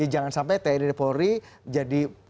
jangan sampai tni dan polri jadi